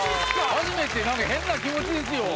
初めて何か変な気持ちですよ